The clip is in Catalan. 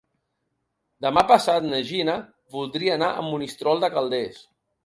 Demà passat na Gina voldria anar a Monistrol de Calders.